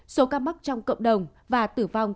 số ca mắc trong cộng đồng và tử vong